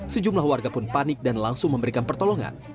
sejumlah warga pun panik dan langsung memberikan pertolongan